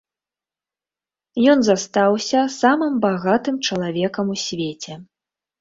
Ён застаўся самым багатым чалавекам у свеце.